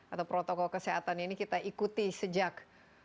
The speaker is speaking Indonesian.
atau protokol kesehatan ini kita ikuti sejak